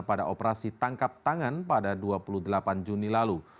pada operasi tangkap tangan pada dua puluh delapan juni lalu